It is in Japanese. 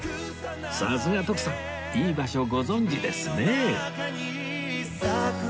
さすが徳さんいい場所ご存じですね